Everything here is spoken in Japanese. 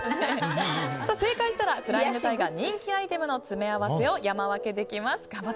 正解したら、フライングタイガー人気アイテムの詰め合わせを山分けできます。